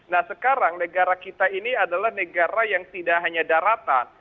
nah sekarang negara kita ini adalah negara yang tidak hanya daratan